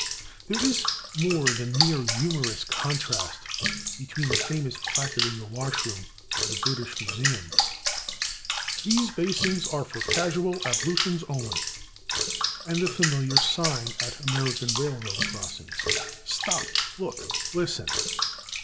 There is more than mere humorous contrast between the famous placard in the wash room of the British Museum: "These Basins Are For Casual Ablutions Only," and the familiar sign at American railroad crossings: "Stop! Look! Listen!"